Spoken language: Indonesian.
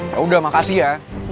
yaudah makasih ya